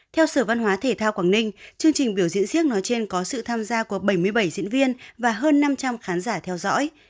theo sở văn hóa thể thao quảng ninh chương trình biểu diễn siếc nói trên có sự tham gia của bảy mươi bảy diễn viên và hơn năm trăm linh khán giả theo dõi